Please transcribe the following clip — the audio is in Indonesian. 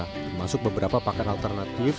termasuk beberapa pakan alpunia